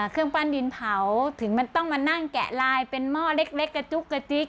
เครื่องปั้นดินเผาถึงมันต้องมานั่งแกะลายเป็นหม้อเล็กกระจุ๊กกระจิ๊ก